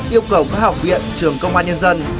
yêu cầu các học viện trường công an nhân dân